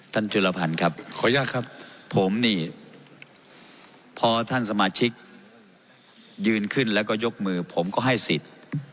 ท่านจุลภัณฑ์ครับผมนี่พอท่านสมาชิกยืนขึ้นแล้วก็ยกมือผมก็ให้สิทธิ์